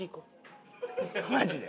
マジで。